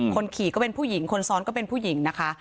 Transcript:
คนขี่ก็เป็นผู้หญิงคนซ้อนก็เป็นผู้หญิงนะคะ